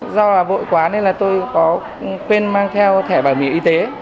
do vội quá nên là tôi quên mang theo thẻ bảo hiểm y tế